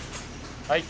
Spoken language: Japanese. はい。